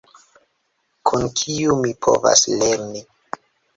Kun kiu mi povas lerni